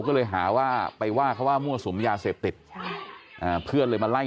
ก็เลยหาว่าไปว่าเขาว่ามั่วสุมยาเสพติดใช่อ่าเพื่อนเลยมาไล่